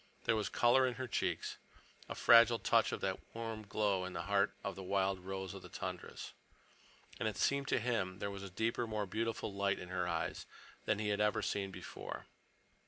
There was color in her cheeks, a fragile touch of that warm glow in the heart of the wild rose of the tundras. And it seemed to him there was a deeper, more beautiful light in her eyes than he had ever seen before.